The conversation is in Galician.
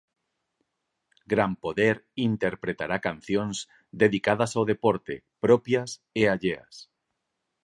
Grampoder interpretará cancións dedicadas ao deporte, propias e alleas.